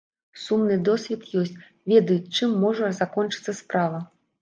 Сумны досвед ёсць, ведаюць, чым можа закончыцца справа.